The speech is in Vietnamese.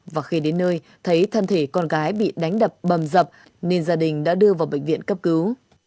và khi đến nơi thấy thân thể con gái bị đánh đập bầm dập nên gia đình đã đưa vào bệnh viện cấp cứu